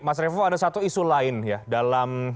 mas revo ada satu isu lain ya dalam